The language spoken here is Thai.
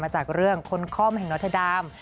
จากเรื่องคนคล่อมแห่งนอเตอร์ดาม